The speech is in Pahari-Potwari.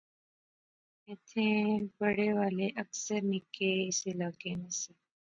ایتھیں پڑھے والے اکثر نکے اس علاقے نے سے